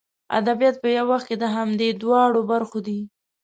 ادبیات په یو وخت کې د همدې دواړو برخو دي.